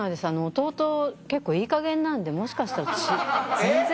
弟結構いいかげんなんでもしかしたら全然。